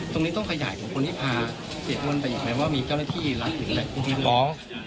ตรงนี้ต้องขยายของคนที่พาเสียงมนต์ไปอย่างไรว่ามีเจ้าหน้าที่รักหรืออะไร